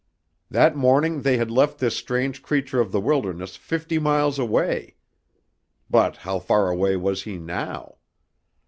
That morning they had left this strange creature of the wilderness fifty miles away. But how far away was he now?